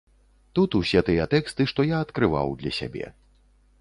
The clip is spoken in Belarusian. Тут усе тыя тэксты, што я адкрываў для сябе.